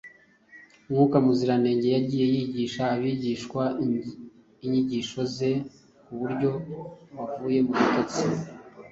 mwuka muzizranenge yagiye yibutsa abigishwa inyigisho ze ku buryo bavuye mu bitotsi.